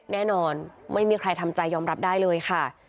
แน่นอนไม่มีใครทำใจยอมรับได้เลยค่ะ